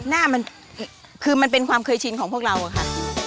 หน้ามันคือมันเป็นความเคยชินของพวกเราอะค่ะ